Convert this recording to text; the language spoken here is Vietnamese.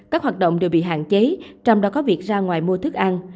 các hoạt động đều bị hạn chế trong đó có việc ra ngoài mua thức ăn